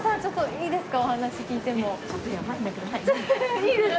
いいですか？